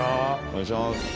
お願いします。